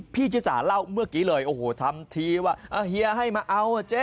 พี่ชิสาเล่าเมื่อกี้เลยโอ้โหทำทีว่าเฮียให้มาเอาอ่ะเจ๊